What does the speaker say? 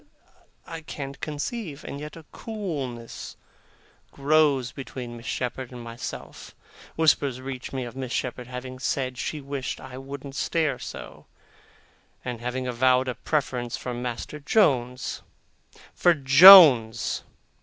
I can't conceive. And yet a coolness grows between Miss Shepherd and myself. Whispers reach me of Miss Shepherd having said she wished I wouldn't stare so, and having avowed a preference for Master Jones for Jones!